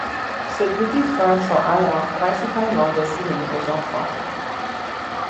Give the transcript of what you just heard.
Ces petits trains sont alors principalement destinés aux enfants.